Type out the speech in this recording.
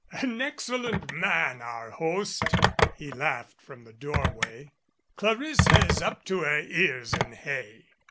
"An excellent man, our host," he laughed from the doorway. "Clarissa is up to her ears in hay."